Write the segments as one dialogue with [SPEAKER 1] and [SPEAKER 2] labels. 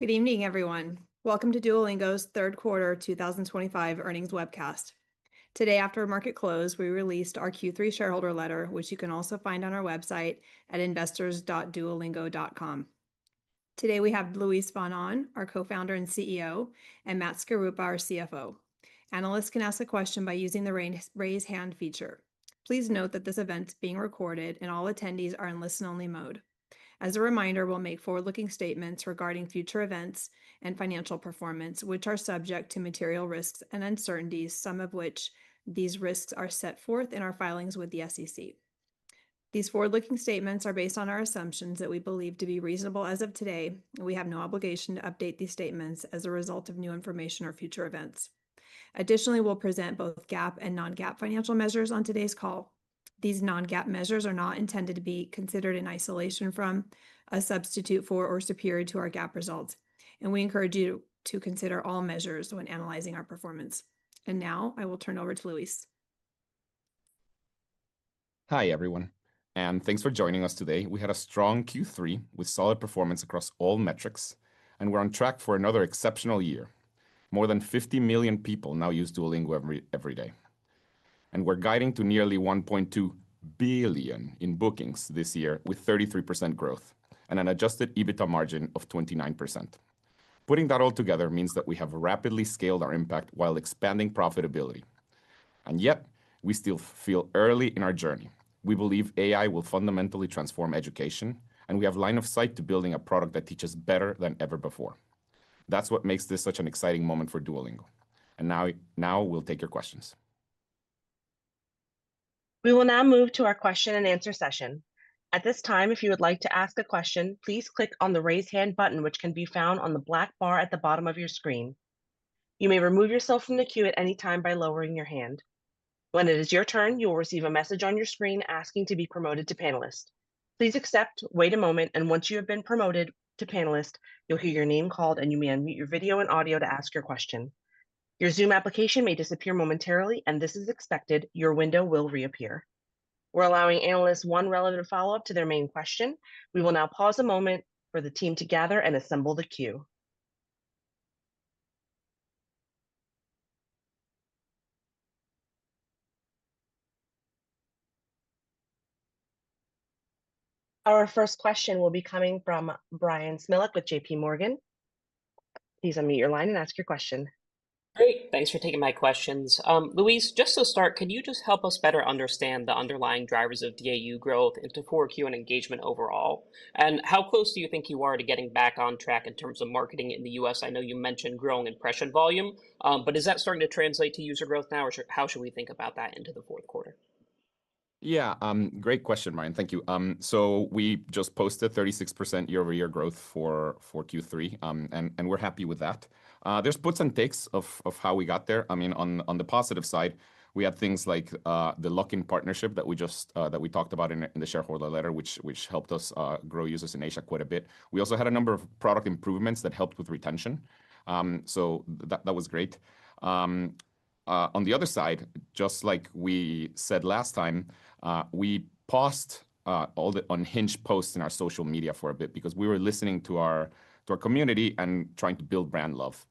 [SPEAKER 1] Good evening, everyone. Welcome to Duolingo's Third Quarter 2025 Earnings Webcast. Today, after market close, we released our Q3 shareholder letter, which you can also find on our website at investors.duolingo.com. Today we have Luis von Ahn, our co-founder and CEO, and Matthew Skaruppa, our CFO. Analysts can ask a question by using the raise hand feature. Please note that this event is being recorded, and all attendees are in listen-only mode. As a reminder, we'll make forward-looking statements regarding future events and financial performance, which are subject to material risks and uncertainties, some of which are set forth in our filings with the SEC. These forward-looking statements are based on our assumptions that we believe to be reasonable as of today, and we have no obligation to update these statements as a result of new information or future events. Additionally, we'll present both GAAP and non-GAAP financial measures on today's call. These non-GAAP measures are not intended to be considered in isolation or as a substitute for or superior to our GAAP results, and we encourage you to consider all measures when analyzing our performance, and now I will turn it over to Luis.
[SPEAKER 2] Hi everyone, and thanks for joining us today. We had a strong Q3 with solid performance across all metrics, and we're on track for another exceptional year. More than 50 million people now use Duolingo every day, and we're guiding to nearly $1.2 billion in bookings this year, with 33% growth and an adjusted EBITDA margin of 29%. Putting that all together means that we have rapidly scaled our impact while expanding profitability, and yet we still feel early in our journey. We believe AI will fundamentally transform education, and we have line of sight to building a product that teaches better than ever before. That's what makes this such an exciting moment for Duolingo, and now we'll take your questions.
[SPEAKER 1] We will now move to our question and answer session. At this time, if you would like to ask a question, please click on the raise hand button, which can be found on the black bar at the bottom of your screen. You may remove yourself from the queue at any time by lowering your hand. When it is your turn, you will receive a message on your screen asking to be promoted to panelist. Please accept, wait a moment, and once you have been promoted to panelist, you'll hear your name called, and you may unmute your video and audio to ask your question. Your Zoom application may disappear momentarily, and this is expected. Your window will reappear. We're allowing analysts one relevant follow-up to their main question. We will now pause a moment for the team to gather and assemble the queue. Our first question will be coming from Bryan Smilek with J.P. Morgan. Please unmute your line and ask your question.
[SPEAKER 3] Great. Thanks for taking my questions. Luis, just to start, can you just help us better understand the underlying drivers of DAU growth into Q4 and engagement overall? And how close do you think you are to getting back on track in terms of marketing in the U.S.? I know you mentioned growing impression volume, but is that starting to translate to user growth now, or how should we think about that into the Q4?
[SPEAKER 2] Yeah, great question, Bryan. Thank you. So we just posted 36% year-over-year growth for Q3, and we're happy with that. There's puts and takes of how we got there. I mean, on the positive side, we had things like the Luckin partnership that we just talked about in the shareholder letter, which helped us grow users in Asia quite a bit. We also had a number of product improvements that helped with retention, so that was great. On the other side, just like we said last time, we paused all the unhinged posts in our social media for a bit because we were listening to our community and trying to build brand love.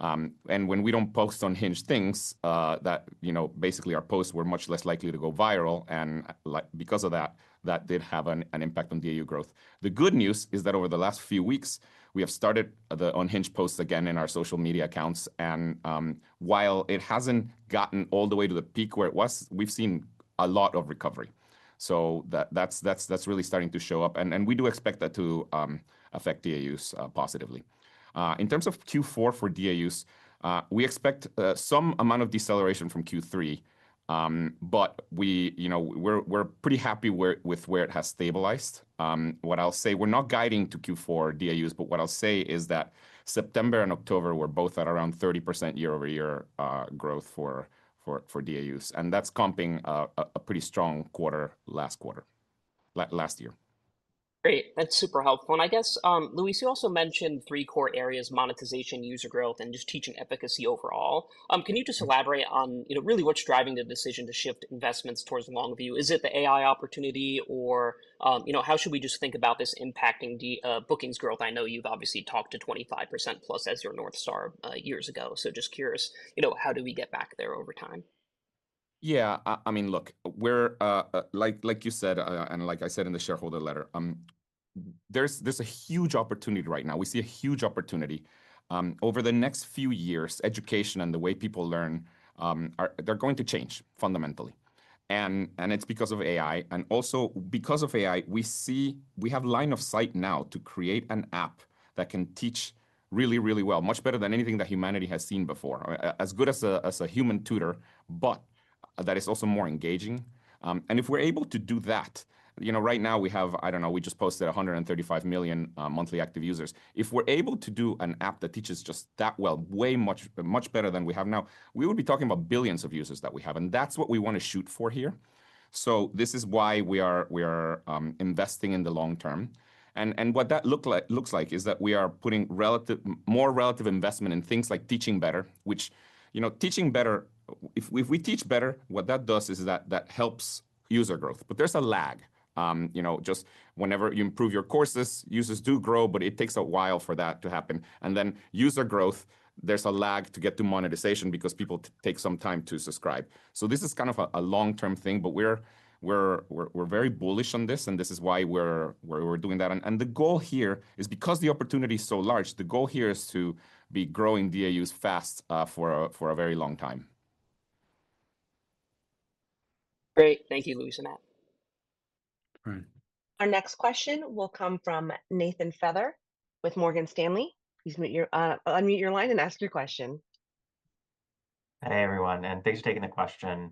[SPEAKER 2] And when we don't post unhinged things, that basically our posts were much less likely to go viral, and because of that, that did have an impact on DAU growth. The good news is that over the last few weeks, we have started the unhinged posts again in our social media accounts, and while it hasn't gotten all the way to the peak where it was, we've seen a lot of recovery. So that's really starting to show up, and we do expect that to affect DAUs positively. In terms of Q4 for DAUs, we expect some amount of deceleration from Q3, but we're pretty happy with where it has stabilized. What I'll say, we're not guiding to Q4 DAUs, but what I'll say is that September and October were both at around 30% year-over-year growth for DAUs, and that's comping a pretty strong quarter last year.
[SPEAKER 3] Great. That's super helpful. And I guess, Luis, you also mentioned three core areas: monetization, user growth, and just teaching efficacy overall. Can you just elaborate on really what's driving the decision to shift investments towards long view? Is it the AI opportunity, or how should we just think about this impacting bookings growth? I know you've obviously talked to 25% plus as your North Star years ago, so just curious, how do we get back there over time?
[SPEAKER 2] Yeah, I mean, look, like you said, and like I said in the shareholder letter, there's a huge opportunity right now. We see a huge opportunity. Over the next few years, education and the way people learn, they're going to change fundamentally, and it's because of AI, and also because of AI, we have line of sight now to create an app that can teach really, really well, much better than anything that humanity has seen before, as good as a human tutor, but that is also more engaging, and if we're able to do that, right now we have, I don't know, we just posted 135 million monthly active users. If we're able to do an app that teaches just that well, way much better than we have now, we would be talking about billions of users that we have, and that's what we want to shoot for here. So this is why we are investing in the long term. And what that looks like is that we are putting more relative investment in things like teaching better, which, if we teach better, what that does is that helps user growth, but there's a lag. Just whenever you improve your courses, users do grow, but it takes a while for that to happen. And then user growth, there's a lag to get to monetization because people take some time to subscribe. So this is kind of a long-term thing, but we're very bullish on this, and this is why we're doing that. And the goal here is because the opportunity is so large, the goal here is to be growing DAUs fast for a very long time.
[SPEAKER 3] Great. Thank you, Luis and Matt.
[SPEAKER 1] Our next question will come from Nathan Feather with Morgan Stanley. Please unmute your line and ask your question.
[SPEAKER 4] Hi everyone, and thanks for taking the question.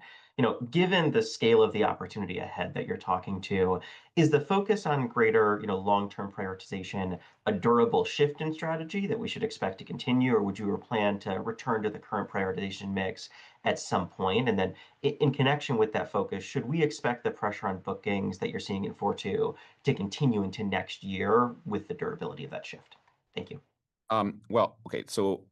[SPEAKER 4] Given the scale of the opportunity ahead that you're talking to, is the focus on greater long-term prioritization a durable shift in strategy that we should expect to continue, or would you plan to return to the current prioritization mix at some point? And then in connection with that focus, should we expect the pressure on bookings that you're seeing in Q4 to continue into next year with the durability of that shift? Thank you.
[SPEAKER 2] Okay, so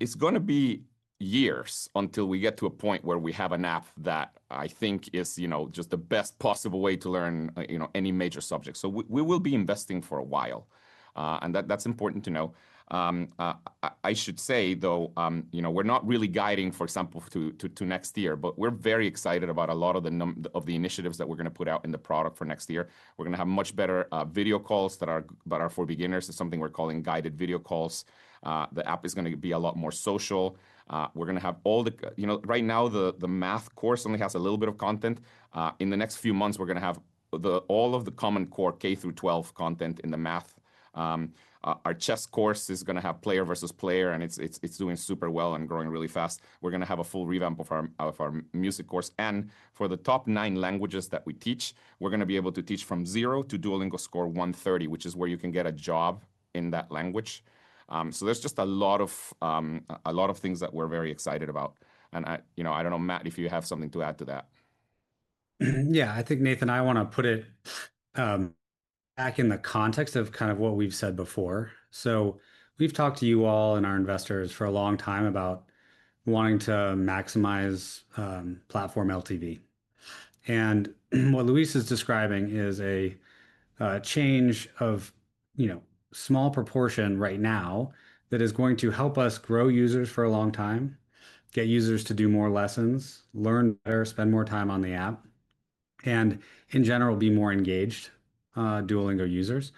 [SPEAKER 2] it's going to be years until we get to a point where we have an app that I think is just the best possible way to learn any major subject. So we will be investing for a while, and that's important to know. I should say, though, we're not really guiding, for example, to next year, but we're very excited about a lot of the initiatives that we're going to put out in the product for next year. We're going to have much better video calls that are for beginners. It's something we're calling Guided Video Calls. The app is going to be a lot more social. We're going to have all. Right now, the Math course only has a little bit of content. In the next few months, we're going to have all of the Common Core K through 12 content in the math. Our Chess course is going to have player versus player, and it's doing super well and growing really fast. We're going to have a full revamp of our Music course. And for the top nine languages that we teach, we're going to be able to teach from zero to Duolingo Score 130, which is where you can get a job in that language. So there's just a lot of things that we're very excited about. And I don't know, Matt, if you have something to add to that.
[SPEAKER 5] Yeah, I think Nathan, I want to put it back in the context of kind of what we've said before. So we've talked to you all and our investors for a long time about wanting to maximize platform LTV. And what Luis is describing is a change of small proportion right now that is going to help us grow users for a long time, get users to do more lessons, learn better, spend more time on the app, and in general, be more engaged Duolingo users.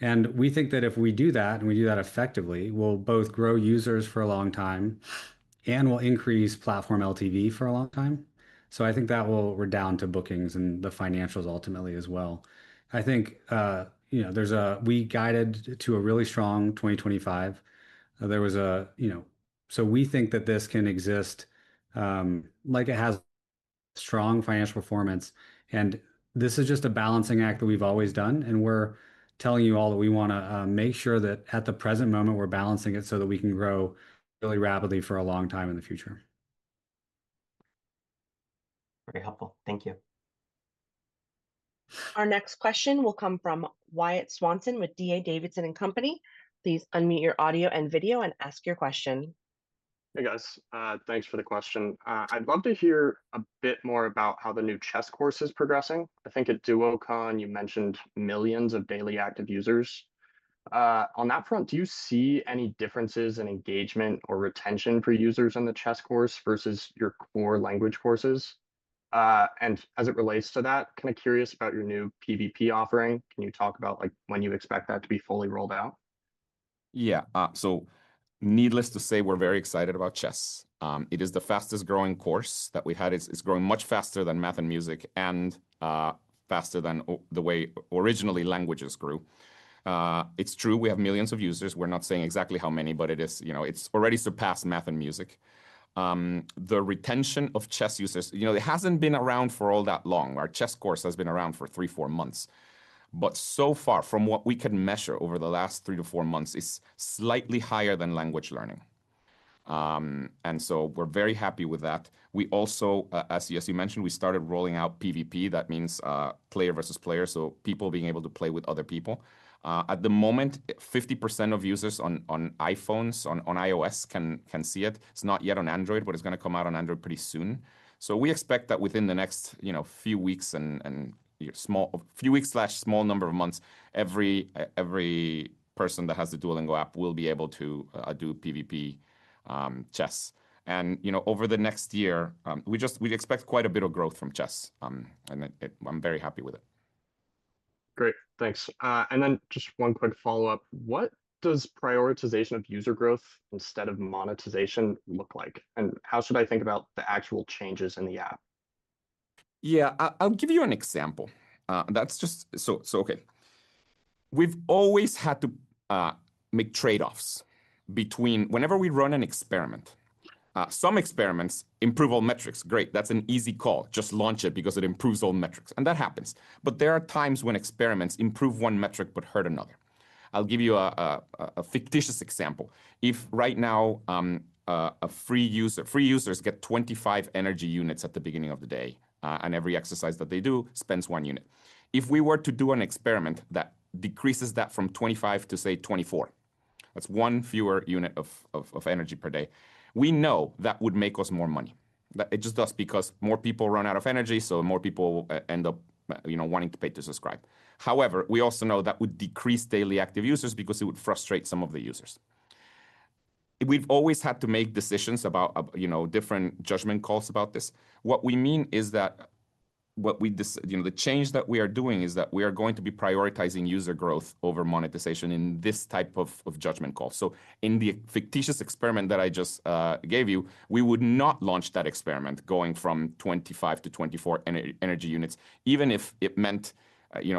[SPEAKER 5] And we think that if we do that and we do that effectively, we'll both grow users for a long time and we'll increase platform LTV for a long time. So I think that will. We're down to bookings and the financials ultimately as well. I think we guided to a really strong 2025. We think that this can exist like it has strong financial performance, and this is just a balancing act that we've always done, and we're telling you all that we want to make sure that at the present moment, we're balancing it so that we can grow really rapidly for a long time in the future.
[SPEAKER 4] Very helpful. Thank you.
[SPEAKER 1] Our next question will come from Wyatt Swanson with D.A. Davidson and Company. Please unmute your audio and video and ask your question.
[SPEAKER 6] Hey guys, thanks for the question. I'd love to hear a bit more about how the new chess course is progressing. I think at Duocon, you mentioned millions of daily active users. On that front, do you see any differences in engagement or retention for users in the chess course versus your core language courses? And as it relates to that, kind of curious about your new PVP offering. Can you talk about when you expect that to be fully rolled out?
[SPEAKER 2] Yeah, so needless to say, we're very excited about Chess. It is the fastest growing course that we had. It's growing much faster than Math and Music and faster than the way originally languages grew. It's true. We have millions of users. We're not saying exactly how many, but it's already surpassed Math and Music. The retention of Chess users, it hasn't been around for all that long. Our Chess course has been around for three, four months, but so far from what we can measure over the last three to four months, it's slightly higher than language learning. And so we're very happy with that. We also, as you mentioned, we started rolling out PVP. That means player versus player, so people being able to play with other people. At the moment, 50% of users on iPhones, on iOS can see it. It's not yet on Android, but it's going to come out on Android pretty soon. So we expect that within the next few weeks and a small number of months, every person that has the Duolingo app will be able to do PVP chess. And over the next year, we expect quite a bit of growth from chess, and I'm very happy with it.
[SPEAKER 6] Great, thanks. And then just one quick follow-up. What does prioritization of user growth instead of monetization look like, and how should I think about the actual changes in the app?
[SPEAKER 2] Yeah, I'll give you an example. So okay, we've always had to make trade-offs between whenever we run an experiment. Some experiments improve all metrics. Great, that's an easy call. Just launch it because it improves all metrics, and that happens. But there are times when experiments improve one metric but hurt another. I'll give you a fictitious example. If right now, free users get 25 energy units at the beginning of the day, and every exercise that they do spends one unit. If we were to do an experiment that decreases that from 25 to say 24, that's one fewer unit of energy per day. We know that would make us more money. It just does because more people run out of energy, so more people end up wanting to pay to subscribe. However, we also know that would decrease daily active users because it would frustrate some of the users. We've always had to make decisions about different judgment calls about this. What we mean is that the change that we are doing is that we are going to be prioritizing user growth over monetization in this type of judgment call. So in the fictitious experiment that I just gave you, we would not launch that experiment going from 25 to 24 energy units, even if it meant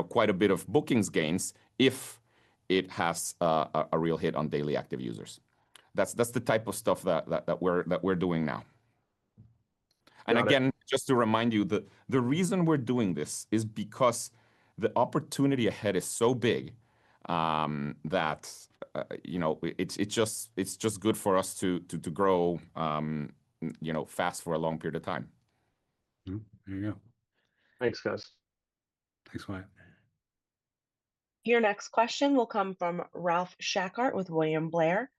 [SPEAKER 2] quite a bit of bookings gains if it has a real hit on daily active users. That's the type of stuff that we're doing now, and again, just to remind you, the reason we're doing this is because the opportunity ahead is so big that it's just good for us to grow fast for a long period of time.
[SPEAKER 6] There you go. Thanks, guys.
[SPEAKER 5] Thanks, Wyatt.
[SPEAKER 1] Your next question will come from Ralph Schackart with William Blair.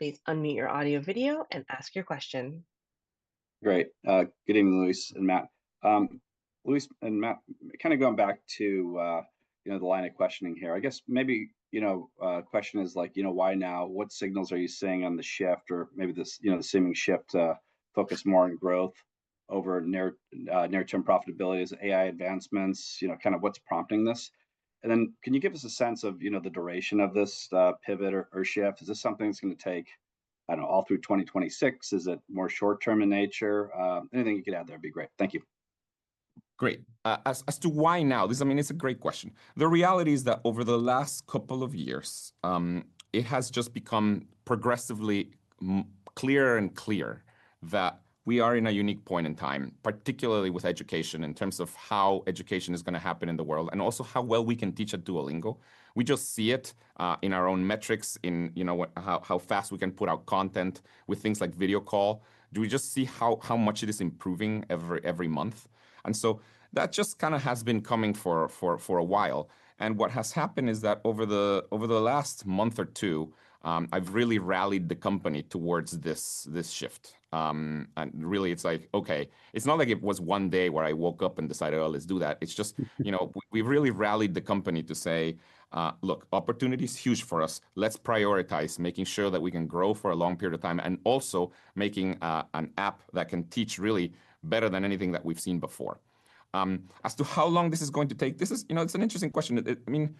[SPEAKER 1] Please unmute your audio video and ask your question.
[SPEAKER 7] Great. Good evening, Luis and Matt. Luis and Matt, kind of going back to the line of questioning here, I guess maybe a question is like, why now? What signals are you seeing on the shift or maybe the seeming shift to focus more on growth over near-term profitability as AI advancements? Kind of what's prompting this? And then can you give us a sense of the duration of this pivot or shift? Is this something that's going to take, I don't know, all through 2026? Is it more short-term in nature? Anything you could add there would be great. Thank you.
[SPEAKER 2] Great. As to why now, I mean, it's a great question. The reality is that over the last couple of years, it has just become progressively clearer and clearer that we are in a unique point in time, particularly with education in terms of how education is going to happen in the world and also how well we can teach at Duolingo. We just see it in our own metrics, in how fast we can put out content with things like Video call. We just see how much it is improving every month, so that just kind of has been coming for a while, and what has happened is that over the last month or two, I've really rallied the company towards this shift. Really, it's like, okay, it's not like it was one day where I woke up and decided, "Oh, let's do that." It's just, we've really rallied the company to say, "Look, opportunity is huge for us. Let's prioritize making sure that we can grow for a long period of time and also making an app that can teach really better than anything that we've seen before." As to how long this is going to take, this is an interesting question. I mean,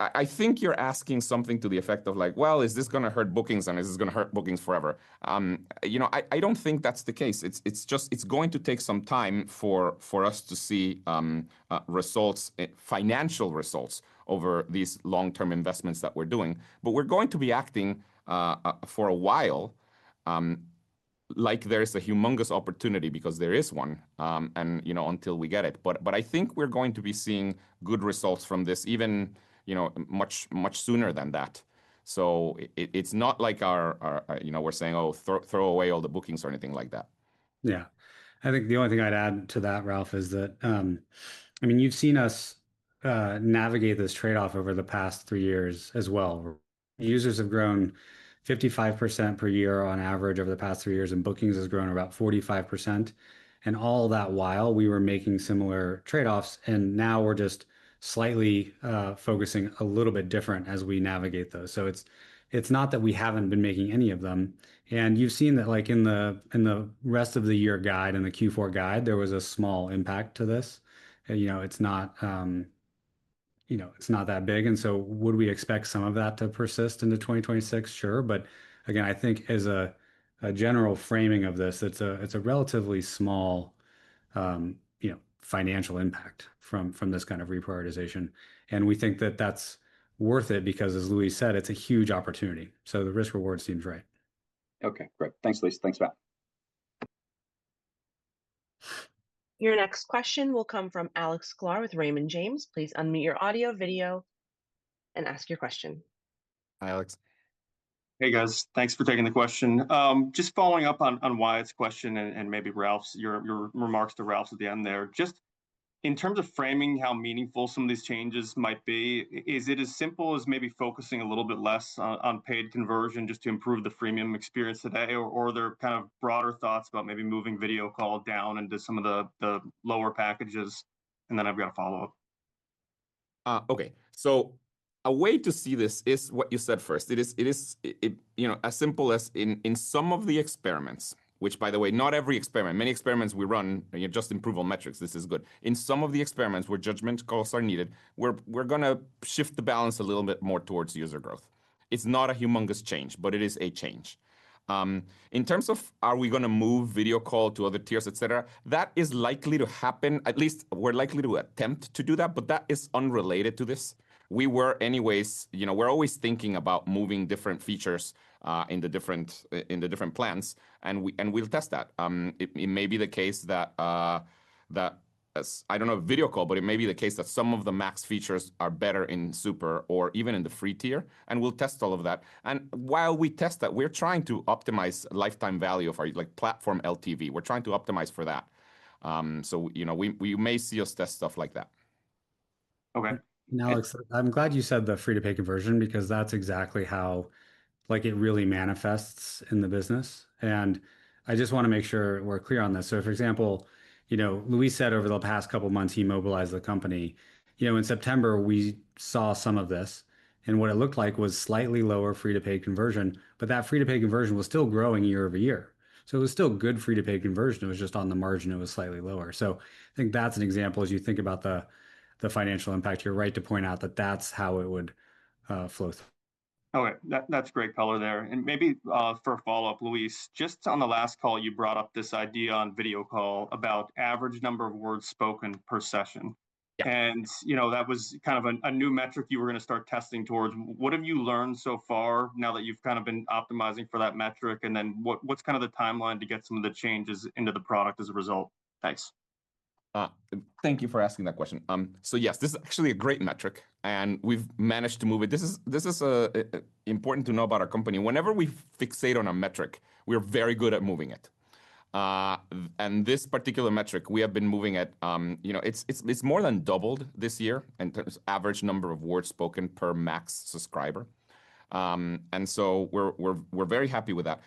[SPEAKER 2] I think you're asking something to the effect of like, "Well, is this going to hurt bookings and is this going to hurt bookings forever?" I don't think that's the case. It's going to take some time for us to see results, financial results over these long-term investments that we're doing. But we're going to be acting for a while like there is a humongous opportunity because there is one until we get it. But I think we're going to be seeing good results from this even much sooner than that. So it's not like we're saying, "Oh, throw away all the bookings or anything like that.
[SPEAKER 5] Yeah. I think the only thing I'd add to that, Ralph, is that, I mean, you've seen us navigate this trade-off over the past three years as well. Users have grown 55% per year on average over the past three years, and bookings has grown about 45%, and all that while, we were making similar trade-offs, and now we're just slightly focusing a little bit different as we navigate those, so it's not that we haven't been making any of them, and you've seen that in the rest of the year guide and the Q4 guide, there was a small impact to this. It's not that big, and so would we expect some of that to persist into 2026? Sure, but again, I think as a general framing of this, it's a relatively small financial impact from this kind of reprioritization. And we think that that's worth it because, as Luis said, it's a huge opportunity. So the risk-reward seems right.
[SPEAKER 7] Okay, great. Thanks, Luis. Thanks, Matt.
[SPEAKER 1] Your next question will come from Alex Sklar with Raymond James. Please unmute your audio, video, and ask your question.
[SPEAKER 8] Hi, Alex. Hey, guys. Thanks for taking the question. Just following up on Wyatt's question and maybe Ralph's remarks too. Ralph's at the end there, just in terms of framing how meaningful some of these changes might be, is it as simple as maybe focusing a little bit less on paid conversion just to improve the freemium experience today? Or are there kind of broader thoughts about maybe moving video call down into some of the lower packages? And then I've got a follow-up.
[SPEAKER 2] Okay. So a way to see this is what you said first. It is as simple as in some of the experiments, which, by the way, not every experiment. Many experiments we run just improve on metrics. This is good. In some of the experiments where judgment calls are needed, we're going to shift the balance a little bit more towards user growth. It's not a humongous change, but it is a change. In terms of are we going to move video call to other tiers, etc., that is likely to happen. At least we're likely to attempt to do that, but that is unrelated to this. We were anyways, we're always thinking about moving different features in the different plans, and we'll test that. It may be the case that I don't know video call, but it may be the case that some of the Max features are better in Super or even in the free tier, and we'll test all of that. And while we test that, we're trying to optimize lifetime value of our platform LTV. We're trying to optimize for that. So we may see us test stuff like that.
[SPEAKER 8] Okay.
[SPEAKER 5] I'm glad you said the free-to-pay conversion because that's exactly how it really manifests in the business, and I just want to make sure we're clear on this, so for example, Luis said over the past couple of months, he mobilized the company. In September, we saw some of this, and what it looked like was slightly lower free-to-pay conversion, but that free-to-pay conversion was still growing year over year, so it was still good free-to-pay conversion. It was just on the margin. It was slightly lower, so I think that's an example as you think about the financial impact. You're right to point out that that's how it would flow.
[SPEAKER 8] All right. That's great color there. And maybe for a follow-up, Luis, just on the last call, you brought up this idea on video call about average number of words spoken per session. And that was kind of a new metric you were going to start testing towards. What have you learned so far now that you've kind of been optimizing for that metric? And then what's kind of the timeline to get some of the changes into the product as a result? Thanks.
[SPEAKER 2] Thank you for asking that question. So yes, this is actually a great metric, and we've managed to move it. This is important to know about our company. Whenever we fixate on a metric, we are very good at moving it. And this particular metric, we have been moving it. It's more than doubled this year in terms of average number of words spoken per Max subscriber. And so we're very happy with that.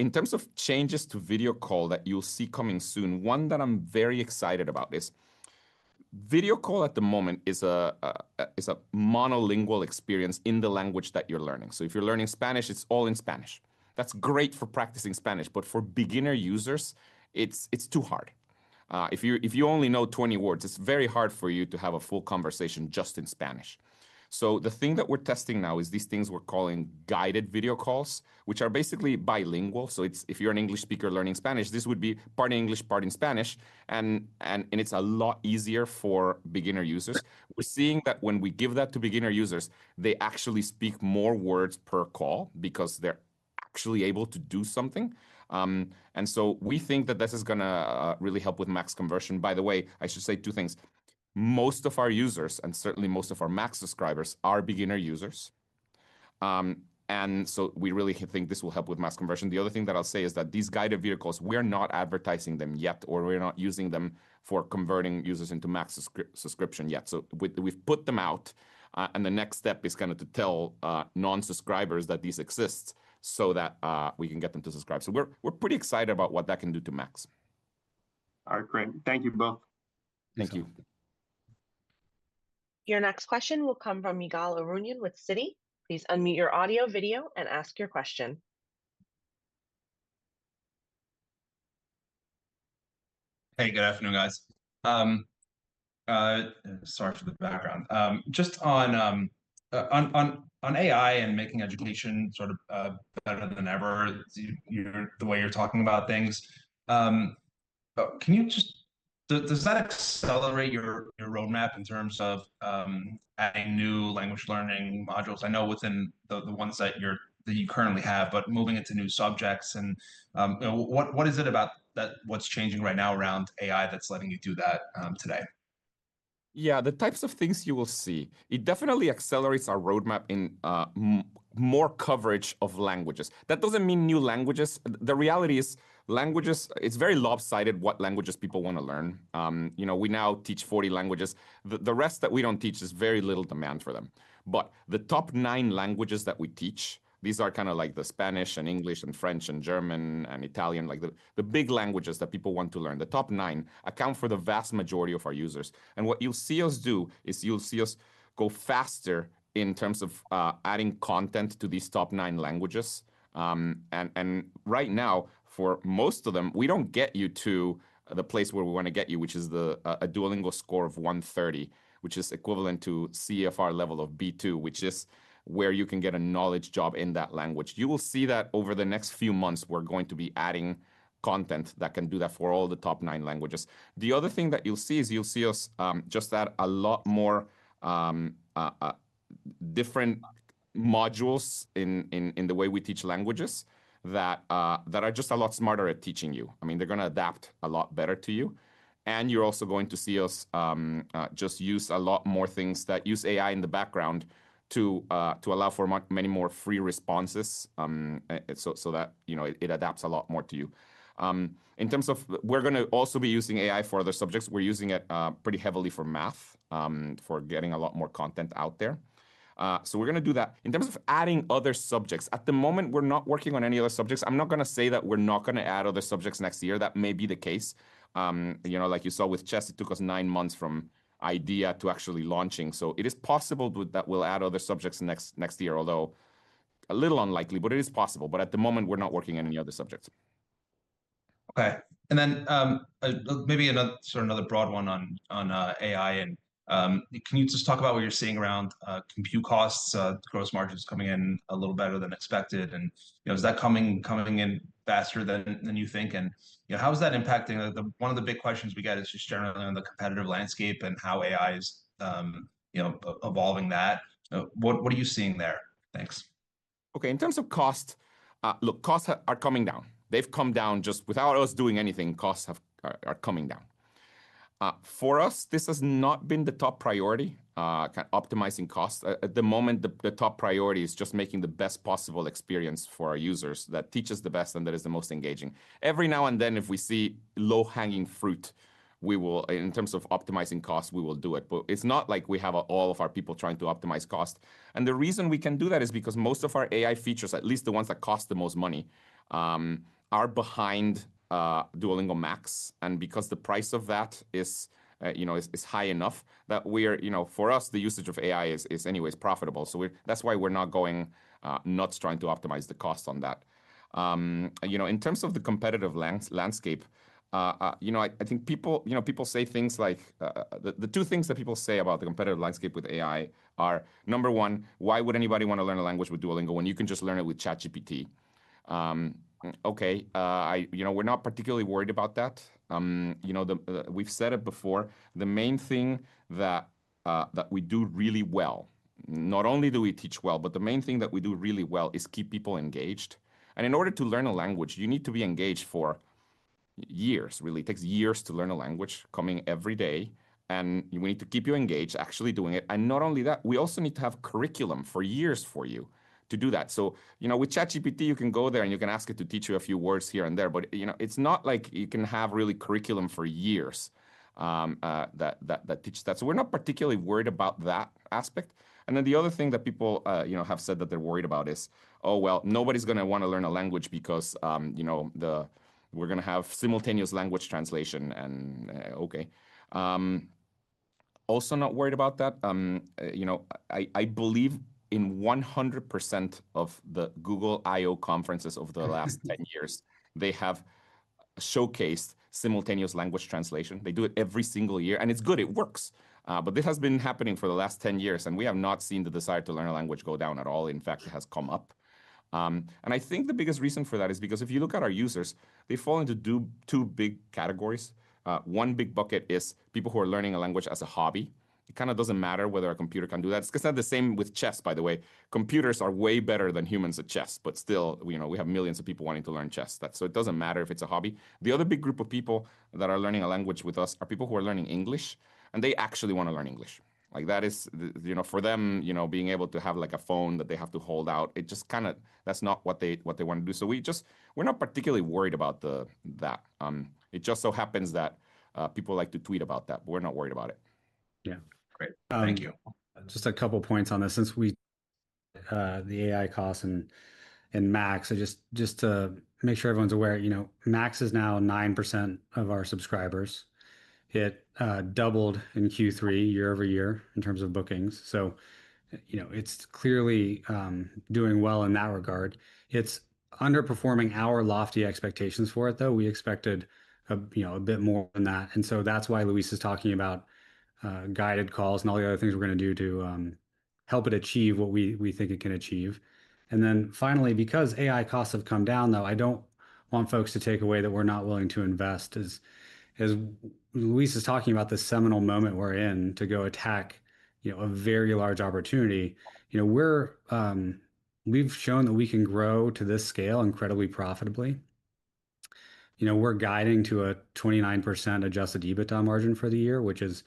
[SPEAKER 2] In terms of changes to Video Call that you'll see coming soon, one that I'm very excited about is Video Call at the moment is a monolingual experience in the language that you're learning. So if you're learning Spanish, it's all in Spanish. That's great for practicing Spanish, but for beginner users, it's too hard. If you only know 20 words, it's very hard for you to have a full conversation just in Spanish. So, the thing that we're testing now is these things we're calling Guided Video Calls, which are basically bilingual. So, if you're an English speaker learning Spanish, this would be part in English, part in Spanish, and it's a lot easier for beginner users. We're seeing that when we give that to beginner users, they actually speak more words per call because they're actually able to do something. And so, we think that this is going to really help with Max conversion. By the way, I should say two things. Most of our users, and certainly most of our Max subscribers, are beginner users. And so, we really think this will help with Max conversion. The other thing that I'll say is that these Guided Video Calls, we're not advertising them yet, or we're not using them for converting users into Max subscription yet. So we've put them out, and the next step is kind of to tell non-subscribers that these exist so that we can get them to subscribe. So we're pretty excited about what that can do to max.
[SPEAKER 8] All right, great. Thank you both.
[SPEAKER 5] Thank you.
[SPEAKER 1] Your next question will come from Ygal Arounian with Citi. Please unmute your audio, video, and ask your question.
[SPEAKER 9] Hey, good afternoon, guys. Sorry for the background. Just on AI and making education sort of better than ever, the way you're talking about things, can you just, does that accelerate your roadmap in terms of adding new language learning modules? I know within the ones that you currently have, but moving into new subjects, and what is it about what's changing right now around AI that's letting you do that today?
[SPEAKER 2] Yeah, the types of things you will see, it definitely accelerates our roadmap in more coverage of languages. That doesn't mean new languages. The reality is languages, it's very lopsided what languages people want to learn. We now teach 40 languages. The rest that we don't teach is very little demand for them. But the top nine languages that we teach, these are kind of like the Spanish and English and French and German and Italian, the big languages that people want to learn. The top nine account for the vast majority of our users. And what you'll see us do is you'll see us go faster in terms of adding content to these top nine languages. Right now, for most of them, we don't get you to the place where we want to get you, which is a Duolingo Score of 130, which is equivalent to CEFR level of B2, which is where you can get a knowledge job in that language. You will see that over the next few months, we're going to be adding content that can do that for all the top nine languages. The other thing that you'll see is you'll see us just add a lot more different modules in the way we teach languages that are just a lot smarter at teaching you. I mean, they're going to adapt a lot better to you. And you're also going to see us just use a lot more things that use AI in the background to allow for many more free responses so that it adapts a lot more to you. In terms of, we're going to also be using AI for other subjects. We're using it pretty heavily for math, for getting a lot more content out there. So we're going to do that. In terms of adding other subjects, at the moment, we're not working on any other subjects. I'm not going to say that we're not going to add other subjects next year. That may be the case. Like you saw with chess, it took us nine months from idea to actually launching. So it is possible that we'll add other subjects next year, although a little unlikely, but it is possible. But at the moment, we're not working on any other subjects.
[SPEAKER 9] Okay. And then maybe sort of another broad one on AI. And can you just talk about what you're seeing around compute costs, gross margins coming in a little better than expected? And is that coming in faster than you think? And how is that impacting? One of the big questions we get is just generally on the competitive landscape and how AI is evolving that. What are you seeing there? Thanks.
[SPEAKER 2] Okay. In terms of cost, look, costs are coming down. They've come down just without us doing anything, costs are coming down. For us, this has not been the top priority, optimizing costs. At the moment, the top priority is just making the best possible experience for our users that teaches the best and that is the most engaging. Every now and then, if we see low-hanging fruit, in terms of optimizing costs, we will do it. But it's not like we have all of our people trying to optimize costs. And the reason we can do that is because most of our AI features, at least the ones that cost the most money, are behind Duolingo Max. And because the price of that is high enough that for us, the usage of AI is anyways profitable. That's why we're not going nuts trying to optimize the cost on that. In terms of the competitive landscape, I think people say things like the two things that people say about the competitive landscape with AI are, number one, why would anybody want to learn a language with Duolingo when you can just learn it with ChatGPT? Okay. We're not particularly worried about that. We've said it before. The main thing that we do really well, not only do we teach well, but the main thing that we do really well is keep people engaged. In order to learn a language, you need to be engaged for years, really. It takes years to learn a language, coming every day. We need to keep you engaged, actually doing it. Not only that, we also need to have curriculum for years for you to do that. So with ChatGPT, you can go there and you can ask it to teach you a few words here and there, but it's not like you can have really curriculum for years that teaches that. So we're not particularly worried about that aspect. And then the other thing that people have said that they're worried about is, oh, well, nobody's going to want to learn a language because we're going to have simultaneous language translation. And okay. Also not worried about that. I believe in 100% of the Google I/O conferences over the last 10 years, they have showcased simultaneous language translation. They do it every single year. And it's good. It works. But this has been happening for the last 10 years, and we have not seen the desire to learn a language go down at all. In fact, it has come up. I think the biggest reason for that is because if you look at our users, they fall into two big categories. One big bucket is people who are learning a language as a hobby. It kind of doesn't matter whether a computer can do that. It's kind of the same with chess, by the way. Computers are way better than humans at chess, but still, we have millions of people wanting to learn chess. So it doesn't matter if it's a hobby. The other big group of people that are learning a language with us are people who are learning English, and they actually want to learn English. For them, being able to have a phone that they have to hold out, it just kind of, that's not what they want to do. So we're not particularly worried about that. It just so happens that people like to tweet about that, but we're not worried about it.
[SPEAKER 9] Yeah. Great. Thank you.
[SPEAKER 5] Just a couple of points on this. The AI costs and Max, just to make sure everyone's aware, Max is now 9% of our subscribers. It doubled in Q3 year over year in terms of bookings. So it's clearly doing well in that regard. It's underperforming our lofty expectations for it, though. We expected a bit more than that. And so that's why Luis is talking about guided calls and all the other things we're going to do to help it achieve what we think it can achieve. And then finally, because AI costs have come down, though, I don't want folks to take away that we're not willing to invest. As Luis is talking about this seminal moment we're in to go attack a very large opportunity, we've shown that we can grow to this scale incredibly profitably. We're guiding to a 29% Adjusted EBITDA margin for the year, which is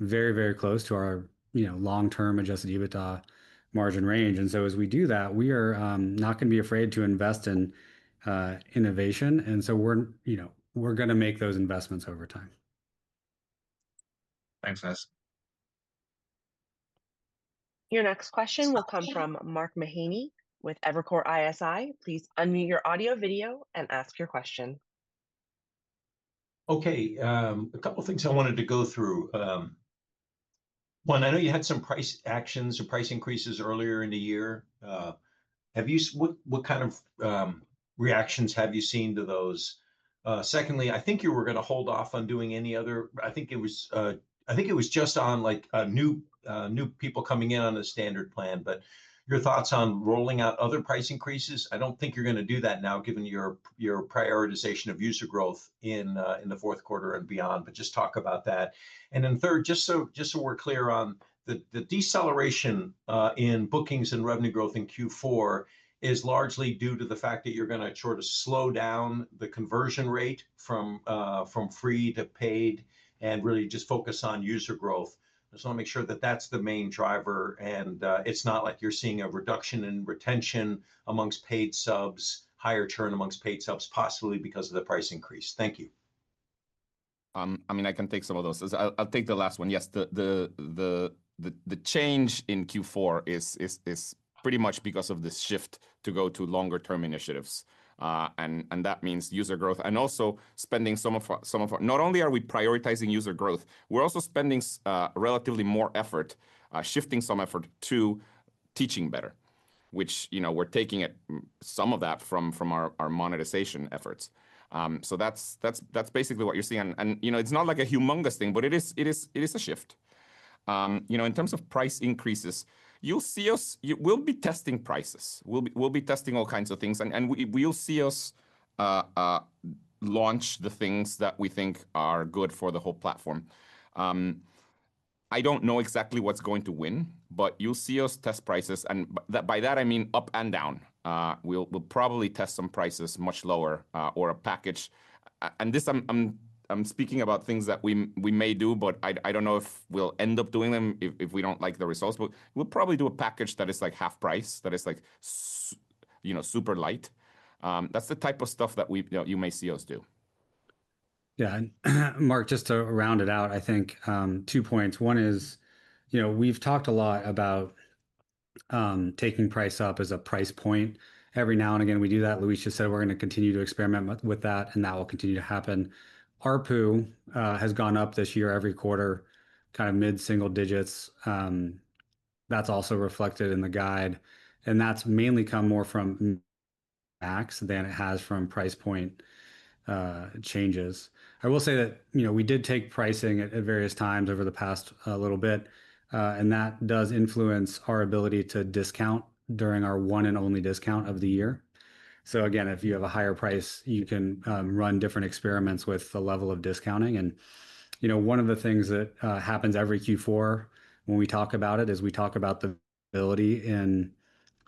[SPEAKER 5] very, very close to our long-term Adjusted EBITDA margin range. And so as we do that, we are not going to be afraid to invest in innovation. And so we're going to make those investments over time.
[SPEAKER 9] Thanks, guys.
[SPEAKER 1] Your next question will come from Mark Mahaney with Evercore ISI. Please unmute your audio, video, and ask your question.
[SPEAKER 10] Okay. A couple of things I wanted to go through. One, I know you had some price actions or price increases earlier in the year. What kind of reactions have you seen to those? Secondly, I think you were going to hold off on doing any other, I think it was, I think it was just on new people coming in on the standard plan, but your thoughts on rolling out other price increases? I don't think you're going to do that now, given your prioritization of user growth in the fourth quarter and beyond, but just talk about that. Then third, just so we're clear on the deceleration in bookings and revenue growth in Q4 is largely due to the fact that you're going to sort of slow down the conversion rate from free to paid and really just focus on user growth. I just want to make sure that that's the main driver, and it's not like you're seeing a reduction in retention amongst paid subs, higher churn amongst paid subs, possibly because of the price increase. Thank you.
[SPEAKER 2] I mean, I can take some of those. I'll take the last one. Yes, the change in Q4 is pretty much because of this shift to go to longer-term initiatives, and that means user growth and also spending some of our, not only are we prioritizing user growth, we're also spending relatively more effort shifting some effort to teaching better, which we're taking some of that from our monetization efforts, so that's basically what you're seeing, and it's not like a humongous thing, but it is a shift. In terms of price increases, you'll see us, we'll be testing prices. We'll be testing all kinds of things, and we'll see us launch the things that we think are good for the whole platform. I don't know exactly what's going to win, but you'll see us test prices, and by that, I mean up and down. We'll probably test some prices much lower or a package, and this, I'm speaking about things that we may do, but I don't know if we'll end up doing them if we don't like the results, but we'll probably do a package that is like half price, that is like super light. That's the type of stuff that you may see us do.
[SPEAKER 5] Yeah. And Mark, just to round it out, I think two points. One is we've talked a lot about taking price up as a price point. Every now and again, we do that. Luis just said we're going to continue to experiment with that, and that will continue to happen. Our ARPU has gone up this year every quarter, kind of mid-single digits. That's also reflected in the guide. And that's mainly come more from Max than it has from price point changes. I will say that we did take pricing at various times over the past little bit. And that does influence our ability to discount during our one and only discount of the year. So again, if you have a higher price, you can run different experiments with the level of discounting. And one of the things that happens every Q4 when we talk about it is we talk about the ability in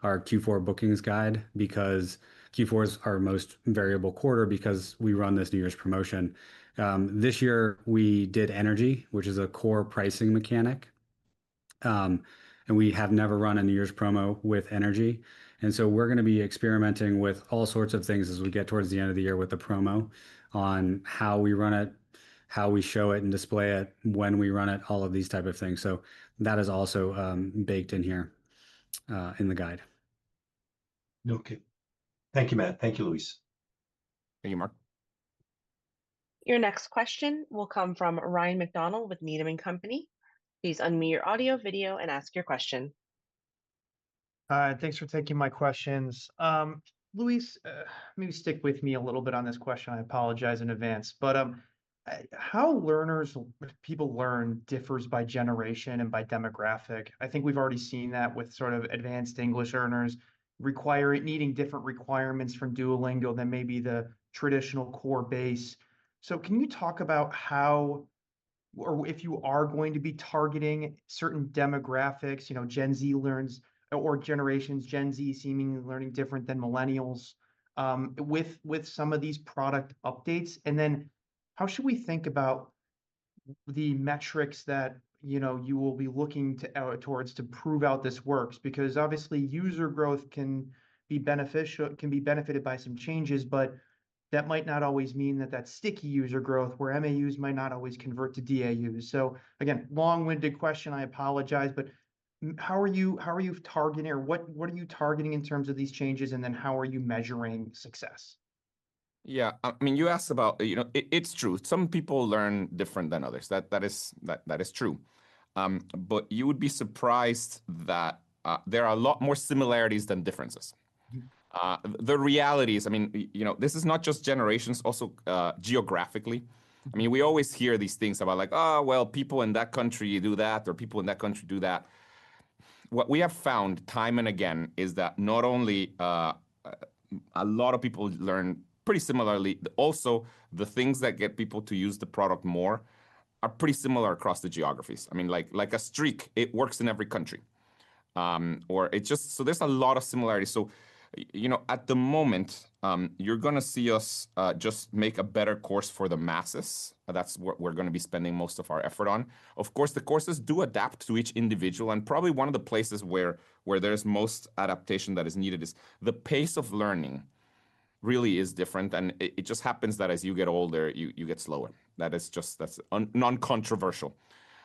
[SPEAKER 5] our Q4 bookings guide because Q4 is our most variable quarter because we run this New Year's promotion. This year, we did Energy, which is a core pricing mechanic. And we have never run a New Year's promo with Energy. And so we're going to be experimenting with all sorts of things as we get towards the end of the year with the promo on how we run it, how we show it and display it, when we run it, all of these type of things. So that is also baked in here in the guide.
[SPEAKER 10] Okay. Thank you, Matt. Thank you, Luis.
[SPEAKER 2] Thank you, Mark.
[SPEAKER 1] Your next question will come from Ryan MacDonald with Needham & Company. Please unmute your audio, video, and ask your question.
[SPEAKER 11] Thanks for taking my questions. Luis, maybe stick with me a little bit on this question. I apologize in advance, but how learners, people learn, differs by generation and by demographic. I think we've already seen that with sort of advanced English learners needing different requirements from Duolingo than maybe the traditional core base, so can you talk about how, or if, you are going to be targeting certain demographics, Gen Z learns or generations Gen Z seemingly learning different than Millennials with some of these product updates? And then how should we think about the metrics that you will be looking towards to prove out this works? Because obviously, user growth can be benefited by some changes, but that might not always mean that that sticky user growth where MAUs might not always convert to DAUs. Again, long-winded question, I apologize, but how are you targeting or what are you targeting in terms of these changes, and then how are you measuring success?
[SPEAKER 2] Yeah. I mean, you asked about, it's true. Some people learn different than others. That is true. But you would be surprised that there are a lot more similarities than differences. The reality is, I mean, this is not just generations, also geographically. I mean, we always hear these things about like, "Oh, well, people in that country do that," or "People in that country do that." What we have found time and again is that not only a lot of people learn pretty similarly, also the things that get people to use the product more are pretty similar across the geographies. I mean, like a streak, it works in every country, so there's a lot of similarity, so at the moment, you're going to see us just make a better course for the masses. That's what we're going to be spending most of our effort on. Of course, the courses do adapt to each individual, and probably one of the places where there's most adaptation that is needed is the pace of learning really is different. And it just happens that as you get older, you get slower. That's non-controversial.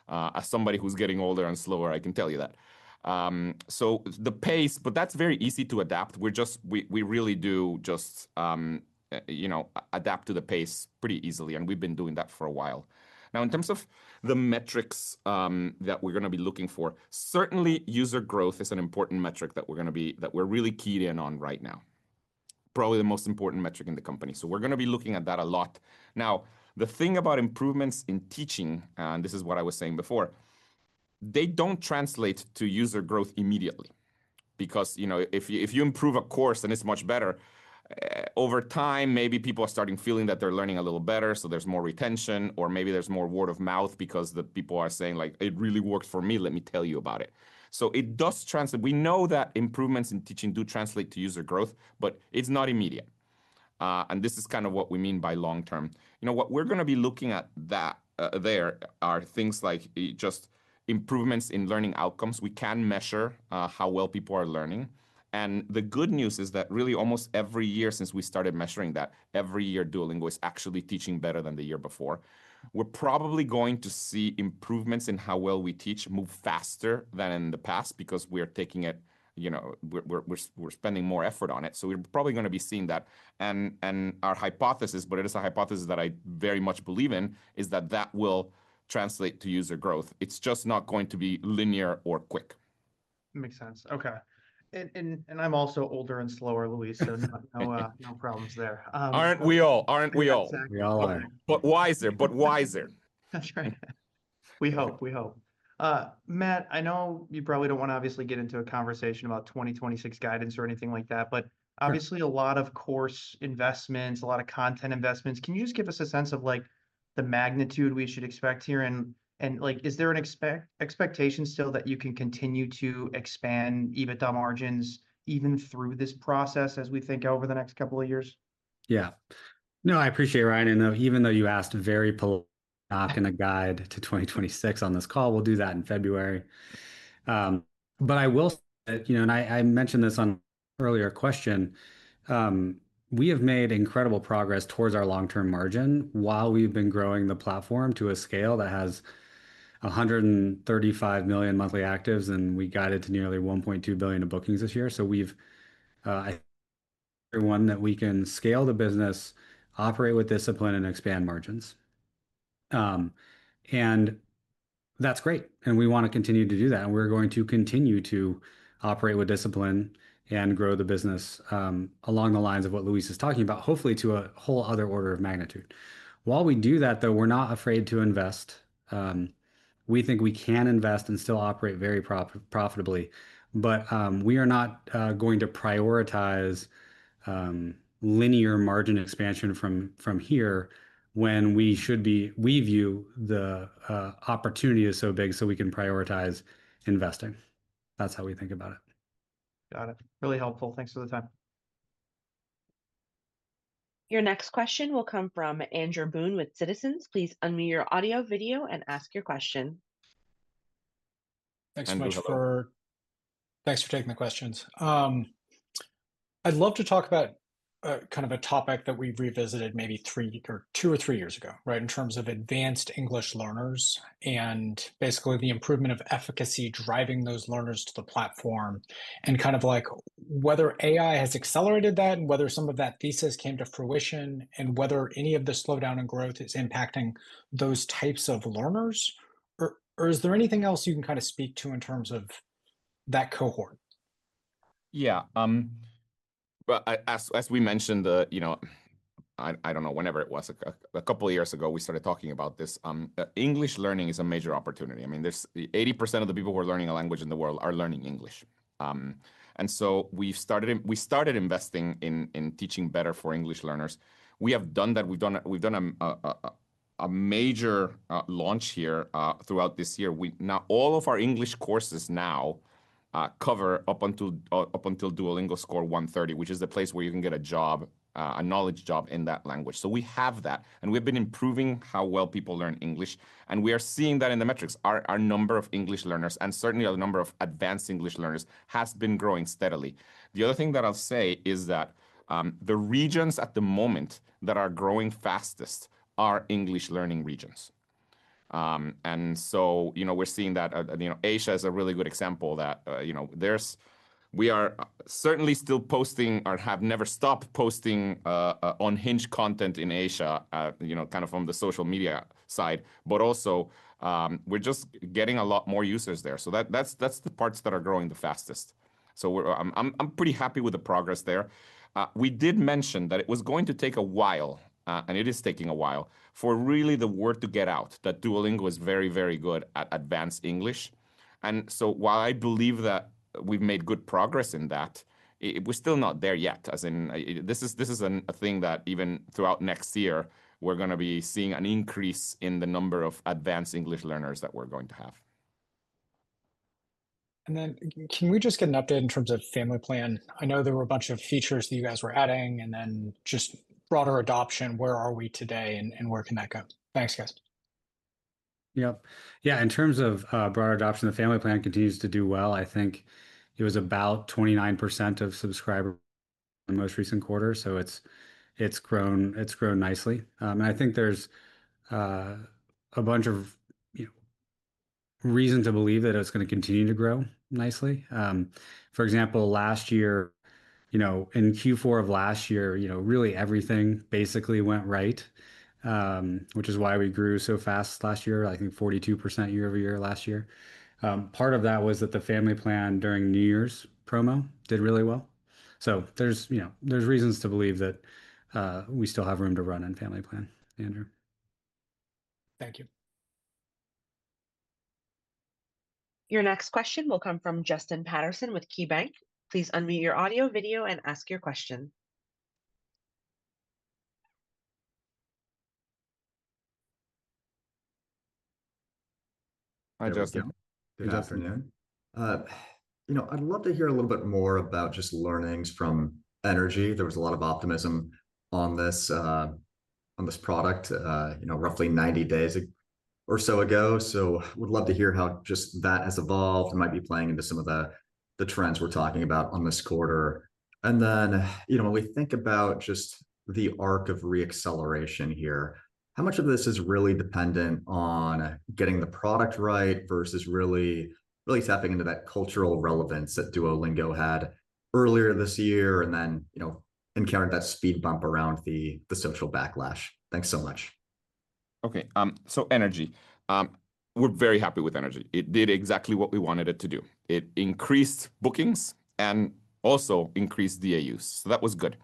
[SPEAKER 2] As somebody who's getting older and slower, I can tell you that. The pace, but that's very easy to adapt. We really do just adapt to the pace pretty easily, and we've been doing that for a while. Now, in terms of the metrics that we're going to be looking for, certainly user growth is an important metric that we're really keyed in on right now. Probably the most important metric in the company. We're going to be looking at that a lot. Now, the thing about improvements in teaching, and this is what I was saying before, they don't translate to user growth immediately. Because if you improve a course and it's much better, over time, maybe people are starting feeling that they're learning a little better, so there's more retention, or maybe there's more word of mouth because the people are saying like, "It really worked for me. Let me tell you about it." So it does translate. We know that improvements in teaching do translate to user growth, but it's not immediate. And this is kind of what we mean by long-term. What we're going to be looking at there are things like just improvements in learning outcomes. We can measure how well people are learning. The good news is that really almost every year since we started measuring that, every year Duolingo is actually teaching better than the year before. We're probably going to see improvements in how well we teach move faster than in the past because we're taking it, we're spending more effort on it. We're probably going to be seeing that. Our hypothesis, but it is a hypothesis that I very much believe in, is that that will translate to user growth. It's just not going to be linear or quick.
[SPEAKER 11] Makes sense. Okay. And I'm also older and slower, Luis. So no problems there.
[SPEAKER 2] Aren't we all? Aren't we all?
[SPEAKER 5] We all are.
[SPEAKER 2] But wiser.
[SPEAKER 11] That's right. We hope. We hope. Matt, I know you probably don't want to obviously get into a conversation about 2026 guidance or anything like that, but obviously a lot of course investments, a lot of content investments. Can you just give us a sense of the magnitude we should expect here? And is there an expectation still that you can continue to expand EBITDA margins even through this process as we think over the next couple of years?
[SPEAKER 5] Yeah. No, I appreciate it, Ryan. And even though you asked very politely not a guide to 2026 on this call, we'll do that in February. But I will say, and I mentioned this on an earlier question, we have made incredible progress towards our long-term margin while we've been growing the platform to a scale that has 135 million monthly actives, and we guided to nearly $1.2 billion of bookings this year. So we've shown everyone that we can scale the business, operate with discipline, and expand margins. And that's great. And we want to continue to do that. And we're going to continue to operate with discipline and grow the business along the lines of what Luis is talking about, hopefully to a whole other order of magnitude. While we do that, though, we're not afraid to invest. We think we can invest and still operate very profitably. But we are not going to prioritize linear margin expansion from here when we should be. We view the opportunity is so big so we can prioritize investing. That's how we think about it.
[SPEAKER 9] Got it. Really helpful. Thanks for the time.
[SPEAKER 1] Your next question will come from Andrew Boone with Citizens. Please unmute your audio, video, and ask your question.
[SPEAKER 12] Thanks, guys. Thanks for taking the questions. I'd love to talk about kind of a topic that we've revisited maybe two or three years ago, right, in terms of advanced English learners and basically the improvement of efficacy driving those learners to the platform and kind of like whether AI has accelerated that and whether some of that thesis came to fruition and whether any of the slowdown in growth is impacting those types of learners. Or is there anything else you can kind of speak to in terms of that cohort?
[SPEAKER 2] Yeah. As we mentioned, I don't know, whenever it was, a couple of years ago, we started talking about this. English learning is a major opportunity. I mean, 80% of the people who are learning a language in the world are learning English. And so we started investing in teaching better for English learners. We have done that. We've done a major launch here throughout this year. Now, all of our English courses now cover up until Duolingo Score 130, which is the place where you can get a job, a knowledge job in that language. So we have that. And we've been improving how well people learn English. And we are seeing that in the metrics. Our number of English learners and certainly the number of advanced English learners has been growing steadily. The other thing that I'll say is that the regions at the moment that are growing fastest are English learning regions, and so we're seeing that Asia is a really good example that we are certainly still posting or have never stopped posting unhinged content in Asia kind of on the social media side, but also we're just getting a lot more users there, so that's the parts that are growing the fastest, so I'm pretty happy with the progress there. We did mention that it was going to take a while, and it is taking a while for really the word to get out that Duolingo is very, very good at advanced English, and so while I believe that we've made good progress in that, we're still not there yet. This is a thing that even throughout next year, we're going to be seeing an increase in the number of advanced English learners that we're going to have.
[SPEAKER 12] And then can we just get an update in terms of Family Plan? I know there were a bunch of features that you guys were adding and then just broader adoption. Where are we today and where can that go? Thanks, guys.
[SPEAKER 5] Yep. Yeah. In terms of broader adoption, the Family Plan continues to do well. I think it was about 29% of subscribers in the most recent quarter. So it's grown nicely. And I think there's a bunch of reason to believe that it's going to continue to grow nicely. For example, last year, in Q4 of last year, really everything basically went right, which is why we grew so fast last year, I think 42% year over year last year. Part of that was that the Family Plan during New Year's promo did really well. So there's reasons to believe that we still have room to run in Family Plan, Andrew.
[SPEAKER 12] Thank you.
[SPEAKER 1] Your next question will come from Justin Patterson with KeyBanc. Please unmute your audio, video, and ask your question.
[SPEAKER 13] Hi, Justin. Hey, Justin. I'd love to hear a little bit more about just learnings from Energy. There was a lot of optimism on this product roughly 90 days or so ago. So I would love to hear how just that has evolved and might be playing into some of the trends we're talking about on this quarter. And then when we think about just the arc of reacceleration here, how much of this is really dependent on getting the product right versus really tapping into that cultural relevance that Duolingo had earlier this year and then encountered that speed bump around the social backlash? Thanks so much.
[SPEAKER 2] Okay. So energy. We're very happy with energy. It did exactly what we wanted it to do. It increased bookings and also increased DAUs. So that was good.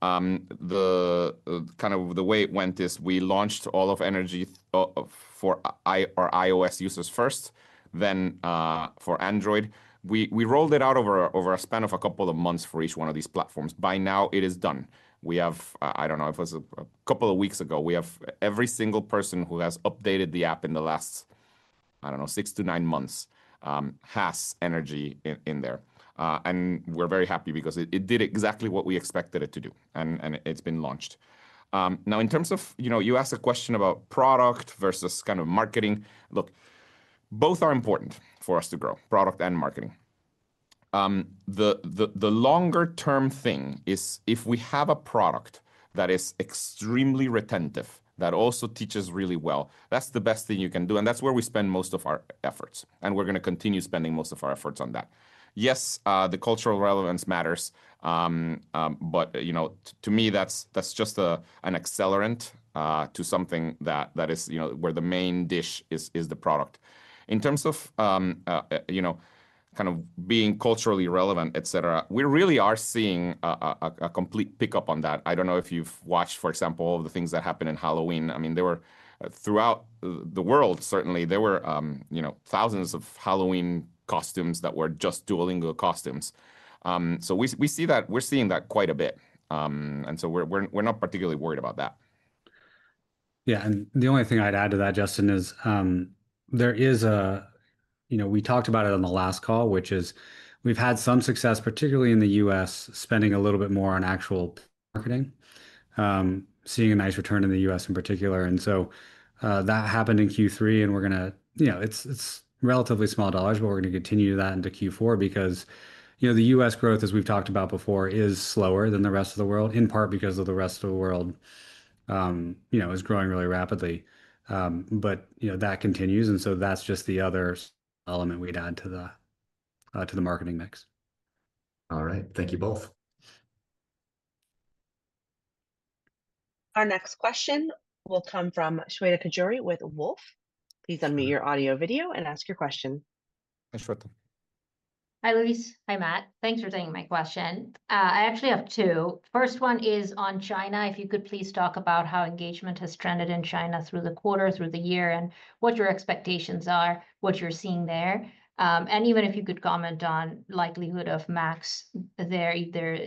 [SPEAKER 2] Kind of the way it went is we launched all of energy for our iOS users first, then for Android. We rolled it out over a span of a couple of months for each one of these platforms. By now, it is done. I don't know if it was a couple of weeks ago. Every single person who has updated the app in the last, I don't know, six-to-nine months has energy in there. And we're very happy because it did exactly what we expected it to do. And it's been launched. Now, in terms of you asked a question about product versus kind of marketing. Look, both are important for us to grow, product and marketing. The longer-term thing is if we have a product that is extremely retentive, that also teaches really well, that's the best thing you can do. And that's where we spend most of our efforts. And we're going to continue spending most of our efforts on that. Yes, the cultural relevance matters. But to me, that's just an accelerant to something that is where the main dish is the product. In terms of kind of being culturally relevant, etc., we really are seeing a complete pickup on that. I don't know if you've watched, for example, all the things that happened in Halloween. I mean, throughout the world, certainly, there were thousands of Halloween costumes that were just Duolingo costumes. So we see that we're seeing that quite a bit. And so we're not particularly worried about that.
[SPEAKER 5] Yeah, and the only thing I'd add to that, Justin, is that we talked about it on the last call, which is we've had some success, particularly in the U.S., spending a little bit more on actual marketing, seeing a nice return in the U.S. in particular, and so that happened in Q3, and it's relatively small dollars, but we're going to continue that into Q4 because the U.S. growth, as we've talked about before, is slower than the rest of the world, in part because the rest of the world is growing really rapidly, but that continues, and so that's just the other element we'd add to the marketing mix.
[SPEAKER 13] All right. Thank you both.
[SPEAKER 1] Our next question will come from Shweta Khajuria with Wolfe. Please unmute your audio, video, and ask your question.
[SPEAKER 2] Hi, Shweta.
[SPEAKER 14] Hi, Luis. Hi, Matt. Thanks for taking my question. I actually have two. First one is on China. If you could please talk about how engagement has trended in China through the quarter, through the year, and what your expectations are, what you're seeing there, and even if you could comment on likelihood of Max there either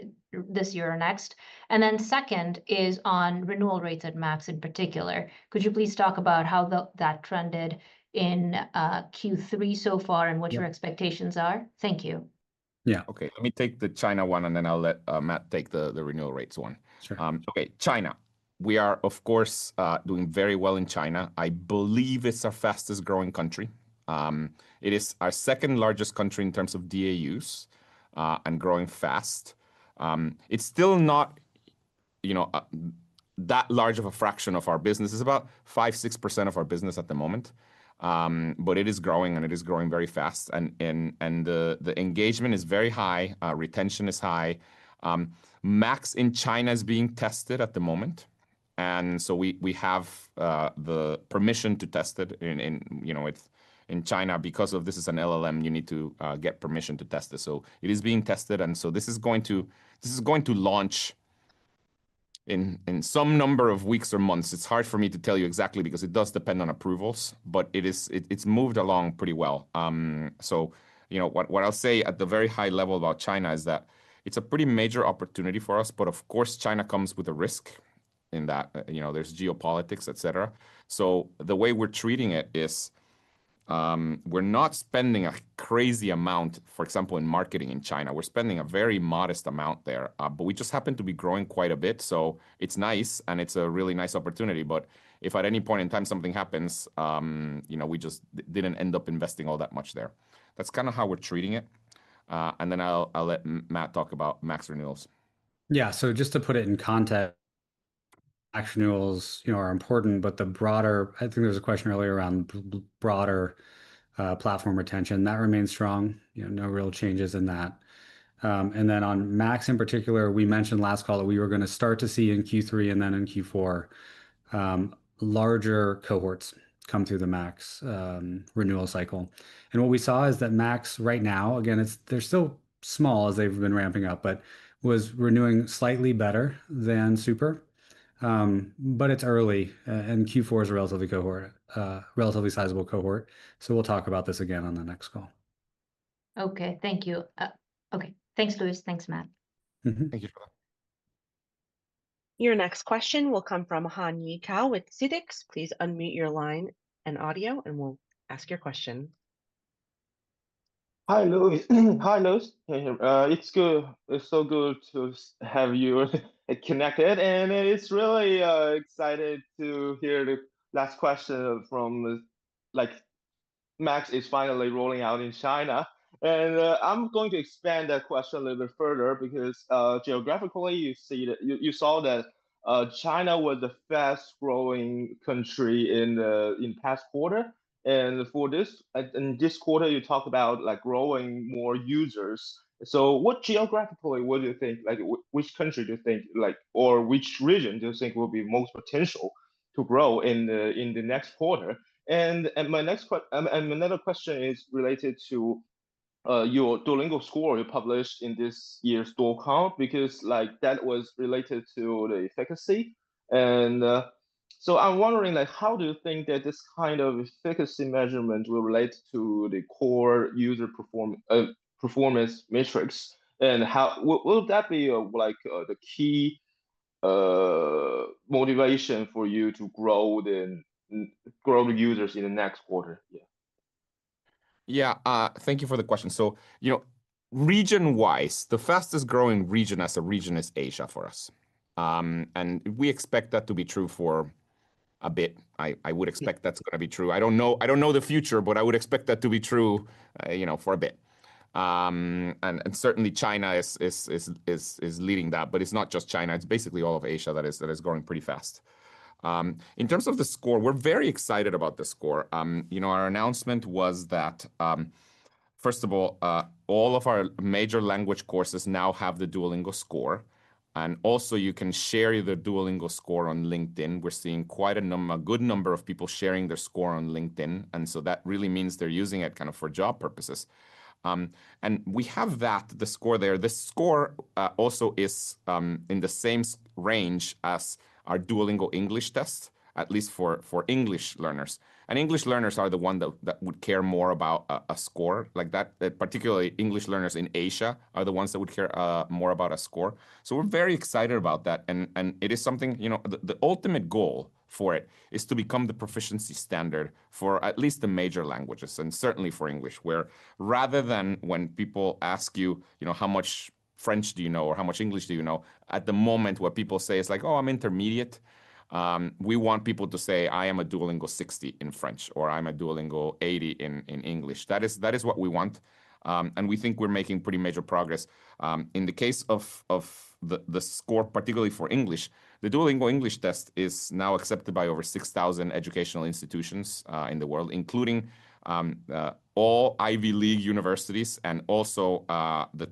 [SPEAKER 14] this year or next, and then second is on renewal rates at Max in particular. Could you please talk about how that trended in Q3 so far and what your expectations are? Thank you.
[SPEAKER 2] Yeah. Okay. Let me take the China one, and then I'll let Matt take the renewal rates one. Okay. China. We are, of course, doing very well in China. I believe it's our fastest-growing country. It is our second-largest country in terms of DAUs and growing fast. It's still not that large of a fraction of our business. It's about five%, six% of our business at the moment, but it is growing, and it is growing very fast. The engagement is very high. Retention is high. Max in China is being tested at the moment. We have the permission to test it in China. Because this is an LLM, you need to get permission to test it. It is being tested. This is going to launch in some number of weeks or months. It's hard for me to tell you exactly because it does depend on approvals, but it's moved along pretty well, so what I'll say at the very high level about China is that it's a pretty major opportunity for us. But of course, China comes with a risk in that there's geopolitics, etc., so the way we're treating it is we're not spending a crazy amount, for example, in marketing in China. We're spending a very modest amount there, but we just happen to be growing quite a bit, so it's nice, and it's a really nice opportunity. But if at any point in time something happens, we just didn't end up investing all that much there. That's kind of how we're treating it, and then I'll let Matt talk about Max renewals.
[SPEAKER 5] Yeah. So just to put it in context, Max renewals are important. But I think there was a question earlier around broader platform retention. That remains strong. No real changes in that. And then on Max in particular, we mentioned last call that we were going to start to see in Q3 and then in Q4 larger cohorts come through the Max renewal cycle. And what we saw is that Max right now, again, they're still small as they've been ramping up, but was renewing slightly better than Super. But it's early. And Q4 is a relatively sizable cohort. So we'll talk about this again on the next call.
[SPEAKER 14] Okay. Thank you. Thanks, Luis. Thanks, Matt.
[SPEAKER 2] Thank you for that.
[SPEAKER 1] Your next question will come from Hanyi Cai with CITIC Securities. Please unmute your line and audio, and we'll ask your question.
[SPEAKER 15] Hi, Luis. Hi, Luis. It's so good to have you connected, and it's really exciting to hear that Max is finally rolling out in China. I'm going to expand that question a little bit further because geographically, you saw that China was the fastest-growing country in the past quarter, and for this quarter, you talked about growing more users. So what geographically would you think? Which country do you think or which region do you think will be most potential to grow in the next quarter? My next question and another question is related to your Duolingo Score you published in this year's Duocon because that was related to the efficacy, and so I'm wondering, how do you think that this kind of efficacy measurement will relate to the core user performance metrics? Will that be the key motivation for you to grow the users in the next quarter? Yeah.
[SPEAKER 2] Yeah. Thank you for the question. So region-wise, the fastest-growing region as a region is Asia for us. And we expect that to be true for a bit. I would expect that's going to be true. I don't know the future, but I would expect that to be true for a bit. And certainly, China is leading that. But it's not just China. It's basically all of Asia that is growing pretty fast. In terms of the score, we're very excited about the score. Our announcement was that, first of all, all of our major language courses now have the Duolingo Score. And also, you can share the Duolingo Score on LinkedIn. We're seeing quite a good number of people sharing their score on LinkedIn. And so that really means they're using it kind of for job purposes. And we have that, the score there. The score also is in the same range as our Duolingo English Test, at least for English learners, and English learners are the ones that would care more about a score like that. Particularly, English learners in Asia are the ones that would care more about a score, so we're very excited about that, and it is something the ultimate goal for it is to become the proficiency standard for at least the major languages and certainly for English, where rather than when people ask you, how much French do you know or how much English do you know, at the moment where people say it's like, oh, I'm intermediate, we want people to say, I am a Duolingo 60 in French or I'm a Duolingo 80 in English. That is what we want, and we think we're making pretty major progress. In the case of the score, particularly for English, the Duolingo English Test is now accepted by over 6,000 educational institutions in the world, including all Ivy League universities and also the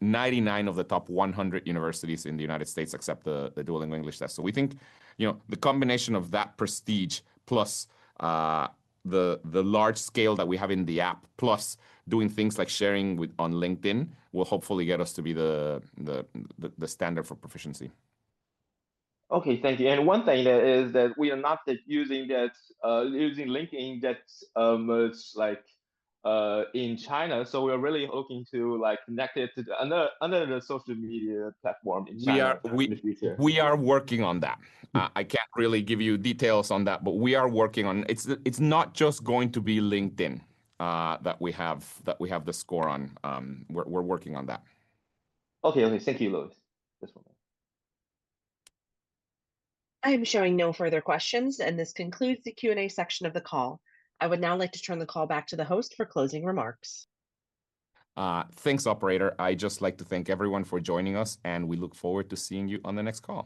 [SPEAKER 2] 99 of the top 100 universities in the United States accept the Duolingo English Test. So we think the combination of that prestige plus the large scale that we have in the app plus doing things like sharing on LinkedIn will hopefully get us to be the standard for proficiency.
[SPEAKER 4] Okay. Thank you. And one thing is that we are not using LinkedIn that much in China. So we are really looking to connect it to another social media platform in China.
[SPEAKER 2] We are working on that. I can't really give you details on that, but we are working on it. It's not just going to be LinkedIn that we have the score on. We're working on that.
[SPEAKER 4] Okay. Okay. Thank you, Luis.
[SPEAKER 1] I am showing no further questions. And this concludes the Q&A section of the call. I would now like to turn the call back to the host for closing remarks.
[SPEAKER 2] Thanks, operator. I just like to thank everyone for joining us, and we look forward to seeing you on the next call.